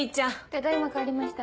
ただ今帰りました。